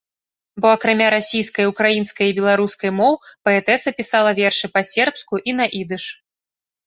Бо акрамя расійскай, украінскай і беларускай моў паэтэса пісала вершы па-сербску і на ідыш.